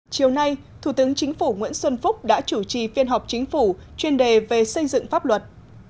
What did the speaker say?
chiều nay thủ tướng chính phủ nguyễn xuân phúc đã chủ trì phiên họp chính phủ chuyên đề về xây dựng pháp luật